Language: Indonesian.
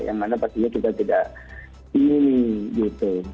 yang mana pastinya kita tidak pilih